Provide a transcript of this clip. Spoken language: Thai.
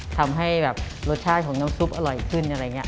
ทำให้แบบรสชาติของน้ำซุปอร่อยขึ้นอะไรอย่างนี้